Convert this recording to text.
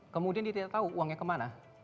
kemudian dia tidak tahu uangnya kemana